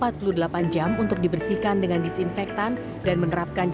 tetapi perkembangan diseg neste rogers